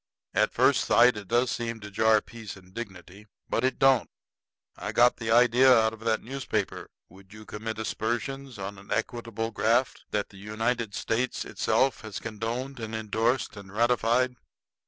"At first sight it does seem to jar peace and dignity. But it don't. I got the idea out of that newspaper. Would you commit aspersions on a equitable graft that the United States itself has condoned and indorsed and ratified?"